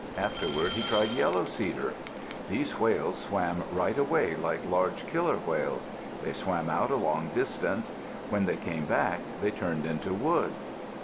Afterward he tried yellow cedar. These whales swam right away like large killer whales. They swam out a long distance. When they came back they turned into wood.